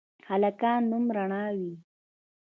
هلکانو نوم رڼا وي